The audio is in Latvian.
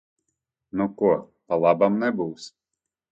Nu ko, pa labam nebūs.